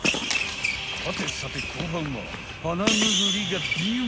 はてさて後半はハナムグリがビュン！